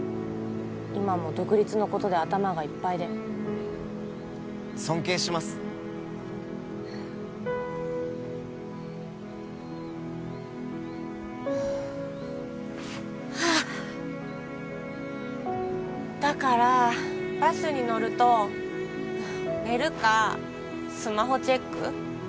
今も独立のことで頭がいっぱいで尊敬しますはあっだからバスに乗ると寝るかスマホチェック